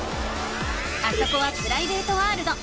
あそこはプライベートワールド。